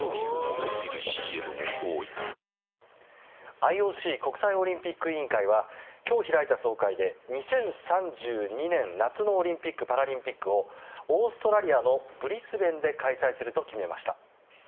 ＩＯＣ・国際オリンピック委員会は今日開いた総会で２０３２年夏のオリンピック・パラリンピックをオーストラリアのブリスベンで開催すると決めました。